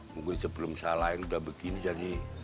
mungkin sebelum salah yang sudah begini jadi